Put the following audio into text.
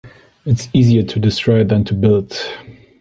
It is easier to destroy than to build.